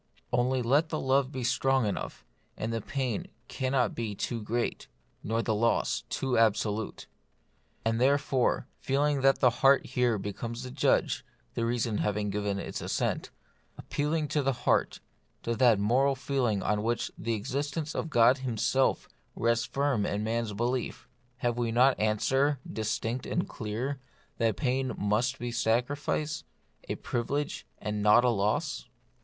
Only let the love be strong enough, and pain cannot be too great, nor loss too absolute. And therefore, feeling that the heart here becomes the judge (the reason having given its assent,) appealing to the heart, to that moral feeling on which the existence of God Himself rests firm in man's belief, have we not answer, distinct and clear, that pain must be sacrifice ; a privilege, and not a loss